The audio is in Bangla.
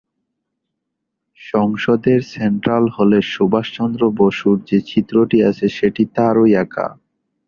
সংসদের সেন্ট্রাল হলে সুভাষচন্দ্র বসুর যে চিত্রটি আছে সেটি তারই আঁকা।